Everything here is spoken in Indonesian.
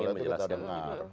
saya mau jelaskan